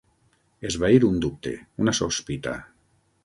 Esvair un dubte, una sospita.